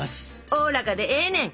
おおらかでええねん！